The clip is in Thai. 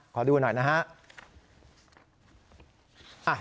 ขอดูหน่อยนะครับ